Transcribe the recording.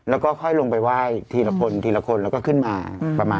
แล้วก็ค่อยลงไปไหว้ทีละคนทีละคนแล้วก็ขึ้นมาประมาณ